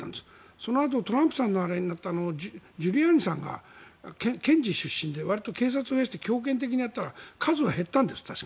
そのあとトランプさんの時になったジュリアーニさんが検事出身でわりと警察に対して強権的にやったら数が減ったんです。